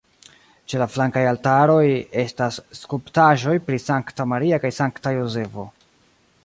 Ĉe la flankaj altaroj estas skulptaĵoj pri Sankta Maria kaj Sankta Jozefo.